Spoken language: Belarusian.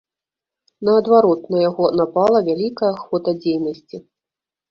Наадварот, на яго напала вялікая ахвота дзейнасці.